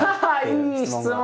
いい質問！